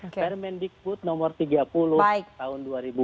permendikbud nomor tiga puluh tahun dua ribu dua puluh